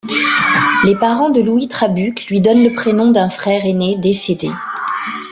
Les parents de Louis Trabuc lui donne le prénom d'un frère aîné décédé.